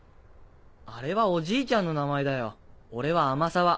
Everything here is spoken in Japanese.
あれはおじいちゃんの名前だよ俺は天沢。